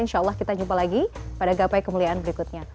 insya allah kita jumpa lagi pada gapai kemuliaan berikutnya